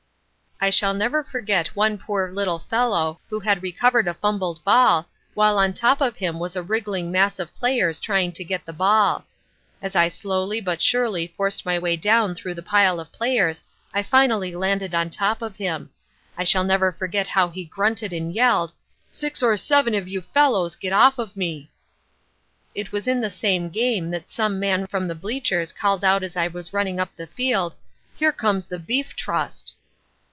I shall never forget one poor little fellow who had recovered a fumbled ball, while on top of him was a wriggling mass of players trying to get the ball. As I slowly, but surely, forced my way down through the pile of players I finally landed on top of him. I shall never forget how he grunted and yelled, "Six or seven of you fellows get off of me." It was in the same game that some man from the bleachers called out as I was running up the field: "Here comes the Beef Trust."